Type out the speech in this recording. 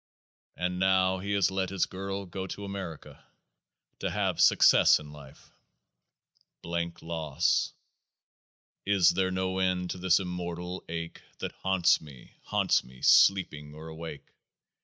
And now he has let his girl go to America, to have " success " in " life ": blank loss. Is there no end to this immortal ache That haunts me, haunts me sleeping or awake?